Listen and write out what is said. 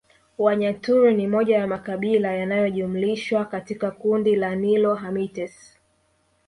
Wanyaturu ni moja ya makabila yanayojumlishwa katika kundi la Nilo Hamites